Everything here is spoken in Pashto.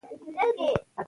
زه تل بریا ته هیله لرم.